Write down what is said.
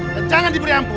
dan jangan diberi ampun